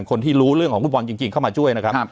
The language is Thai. คนที่รู้เรื่องของฟุตบอลจริงเข้ามาช่วยนะครับ